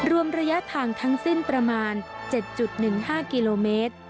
รวมระยะทางทั้งสิ้นประมาณ๗๑๕กิโลเมตร